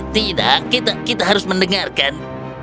tidak kita harus mendengarkan